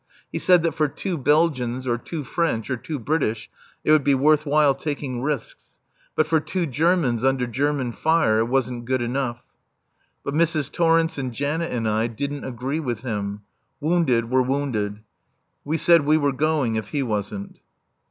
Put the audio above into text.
He said that for two Belgians, or two French, or two British, it would be worth while taking risks. But for two Germans under German fire it wasn't good enough. But Mrs. Torrence and Janet and I didn't agree with him. Wounded were wounded. We said we were going if he wasn't.